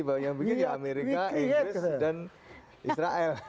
bahwa yang bikin ya amerika inggris dan israel